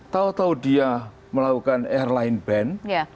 tau tau dia melakukan airline ban